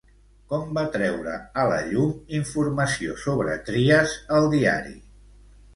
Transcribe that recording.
Quan va treure a la llum informació sobre Trias el diari?